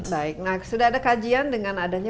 baik nah sudah ada kajian dengan adanya